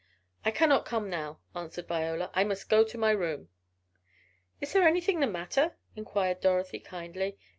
"I cannot come now," answered Viola. "I must go to my room!" "Is there anything the matter?" inquired Dorothy, kindly.